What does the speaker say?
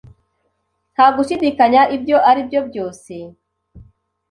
Nta gushidikanya ibyo aribyo byose.